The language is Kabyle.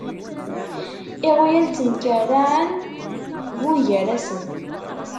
Iɣyal temkerraɛen buygarasen.